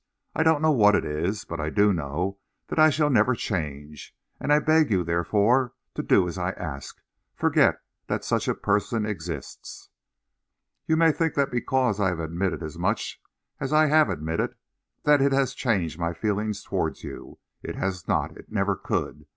I don't know what it is, but I do know that I shall never change. And I beg you, therefore, to do as I ask you forget that such a person exists. You may think that because I have admitted as much as I have admitted, that it has changed my feelings towards you. It has not. It never could.